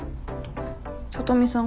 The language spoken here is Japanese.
聡美さん